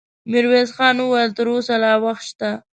ميرويس خان وويل: تر اوسه لا وخت شته.